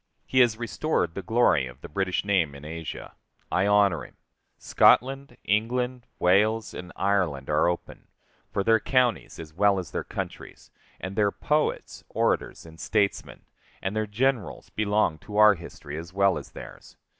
He has restored the glory of the British name in Asia. I honor him. Scotland, England, Wales, and Ireland are open, for their counties, as well as their countries, and their poets, orators, and statesmen, and their generals, belong to our history as well as theirs.